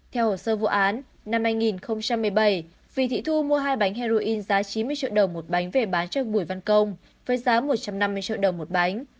theo hồ sơ vụ án năm hai nghìn một mươi bảy vì thị thu mua hai bánh heroin giá chín mươi triệu đồng một bánh về bán cho bùi văn công với giá một trăm năm mươi triệu đồng một bánh